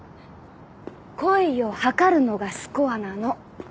恋を測るのがスコアなの。